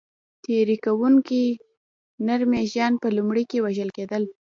تېري کوونکي نر مږان به لومړی وژل کېدل.